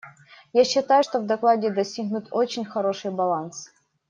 Я считаю, что в докладе достигнут очень хороший баланс.